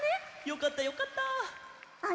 よかったよかった！